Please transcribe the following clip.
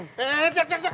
eh jak jak jak